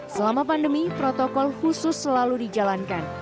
selama pandemi protokol khusus selalu dijalankan